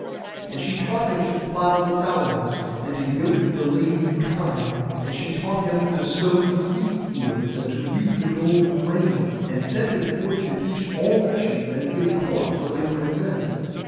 And she taught him to plough the fallows, and to yoke the lazy kine; and she taught him to sow the seed fields, and to reap the golden grain; and sent him forth to teach all nations, and give corn to labouring men.